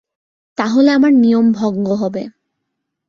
তাহলে আমার নিয়ম-ভঙ্গ হবে!